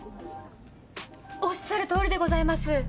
おっしゃる通りでございます。